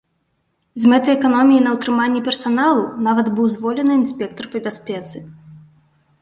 З мэтай эканоміі на ўтрыманні персаналу нават быў звольнены інспектар па бяспецы.